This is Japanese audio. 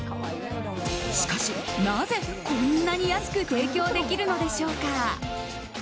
しかし、なぜこんなに安く提供できるのでしょうか。